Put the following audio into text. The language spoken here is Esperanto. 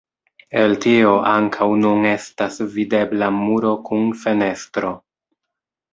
El tio ankaŭ nun estas videbla muro kun fenestro.